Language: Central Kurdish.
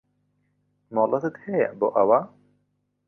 مۆڵەتت هەیە بۆ ئەوە؟